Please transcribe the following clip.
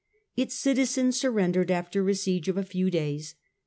Its citizens surrendered after a siege of a few days.